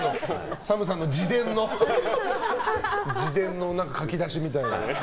ＳＡＭさんの自伝の書き出しみたいな。